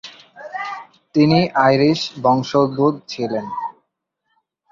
তিনি আইরিশ বংশোদ্ভূত ছিলেন।